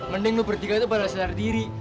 es mending lo bertiga itu pada selera diri